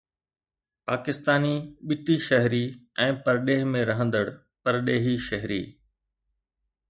پاڪستاني ٻٽي شهري ۽ پرڏيهه ۾ رهندڙ پرڏيهي شهري